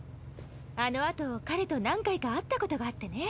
あのあと彼と何回か会ったことがあってね。